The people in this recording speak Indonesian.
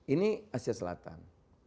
ini asia selatan